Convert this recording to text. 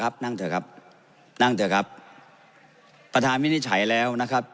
นั่งเถอะครับนั่งเถอะครับประธานวินิจฉัยแล้วนะครับ